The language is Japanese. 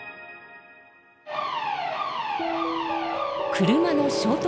車の衝突